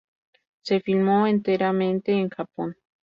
Se filmó enteramente en Japón.